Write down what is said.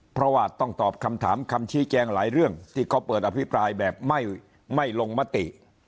เพราะว่าต้องตอบคำถามคำชี้แจงหลายเรื่องที่เขาเปิดอภิปรายแบบไม่ลงมติ